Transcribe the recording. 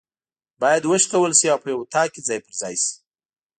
بايد وشکول سي او په یو اطاق کي ځای پر ځای سي